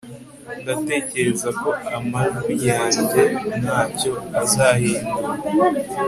Ndatekereza ko amajwi yanjye ntacyo azahindura